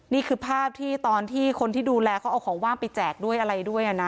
นี่คือภาพที่ตอนที่คนที่ดูแลเขาเอาของว่างไปแจกด้วยอะไรด้วยนะ